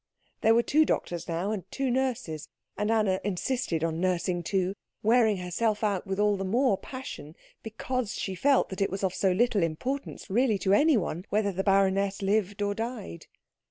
There were two doctors, now, and two nurses; and Anna insisted on nursing too, wearing herself out with all the more passion because she felt that it was of so little importance really to anyone whether the baroness lived or died.